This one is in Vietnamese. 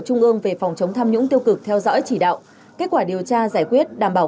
trung ương về phòng chống tham nhũng tiêu cực theo dõi chỉ đạo kết quả điều tra giải quyết đảm bảo